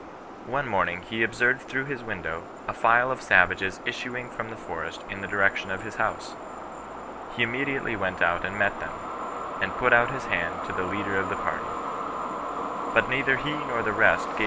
One morning, he observed, through his window, a file of savages issuing from the forest in. the direction of his house. H.^ ViMnaSck3i.\^'^ ^^bSs* ^s«s^ 120 CUBISTIAN NON RESISTANCE. and met them, and put out his hand to the leader of the party. But neither he nor the rest ga?